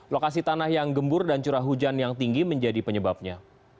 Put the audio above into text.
lokasi tanah yang gembur dan curah hujan yang tinggi menjadi penyebabnya